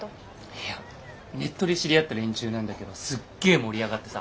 いやネットで知り合った連中なんだけどすっげえ盛り上がってさ。